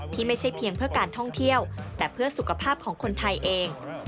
ที่ไม่ใช่เพียงเพื่อการท่องเที่ยวแต่เพื่อสุขภาพของคนไทยเอง